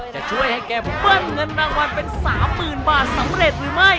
จะช่วยให้แกเบิ้ลเงินรางวัลเป็น๓๐๐๐บาทสำเร็จหรือไม่